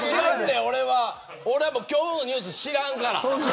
俺は今日のニュース知らんから。